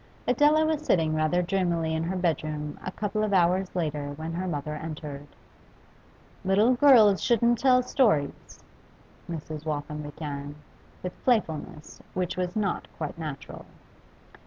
Adela was sitting rather dreamily in her bedroom a couple of hours later when her mother entered. 'Little girls shouldn't tell stories,' Mrs. Waltham began, with playfulness which was not quite natural.